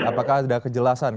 apakah ada kejelasan